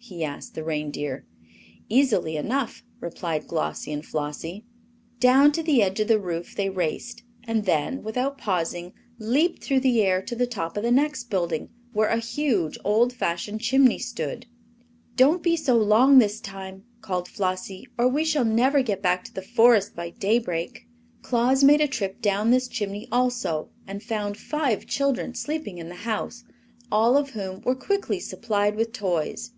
he asked the reindeer. "Easily enough," replied Glossie and Flossie. Down to the edge of the roof they raced, and then, without pausing, leaped through the air to the top of the next building, where a huge, old fashioned chimney stood. "Don't be so long, this time," called Flossie, "or we shall never get back to the Forest by daybreak." Claus made a trip down this chimney also and found five children sleeping in the house, all of whom were quickly supplied with toys.